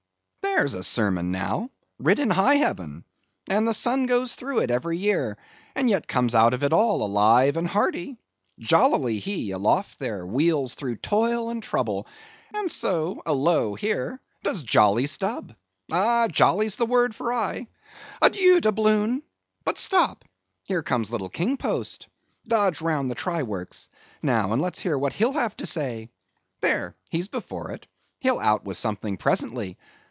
There's a sermon now, writ in high heaven, and the sun goes through it every year, and yet comes out of it all alive and hearty. Jollily he, aloft there, wheels through toil and trouble; and so, alow here, does jolly Stubb. Oh, jolly's the word for aye! Adieu, Doubloon! But stop; here comes little King Post; dodge round the try works, now, and let's hear what he'll have to say. There; he's before it; he'll out with something presently.